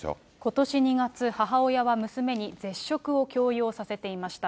ことし２月、母親は娘に絶食を強要させていました。